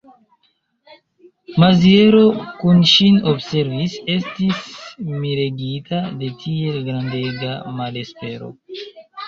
Maziero, kiu ŝin observis, estis miregita de tiel grandega malespero.